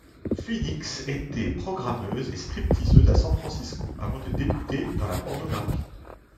Phoenix était programmeuse et strip-teaseuse à San Francisco avant de débuter dans la pornographie.